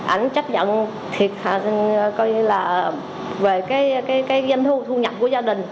ảnh chấp nhận thiệt hại về cái danh thu thu nhập của gia đình